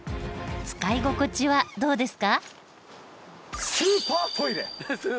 使い心地はどうですか？